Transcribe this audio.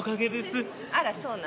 あらそうなの？